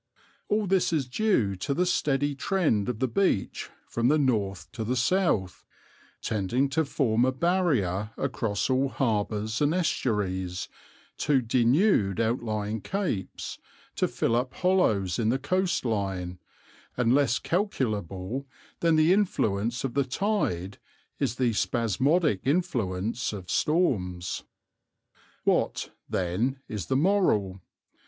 All this is due to the steady trend of the beach from the north to the south, tending to form a barrier across all harbours and estuaries, to denude outlying capes, to fill up hollows in the coastline; and less calculable than the influence of the tide is the spasmodic influence of storms. What, then, is the moral?